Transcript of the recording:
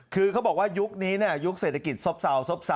คือเขาบอกว่ายุคนี้ยุคเศรษฐกิจซบเซาซบ